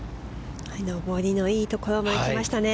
上りのいいところに行きましたね。